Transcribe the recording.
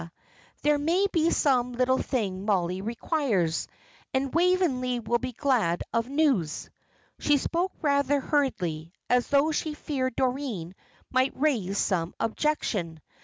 There may be some little thing Mollie requires, and Waveney will be glad of news." She spoke rather hurriedly, as though she feared Doreen might raise some objection.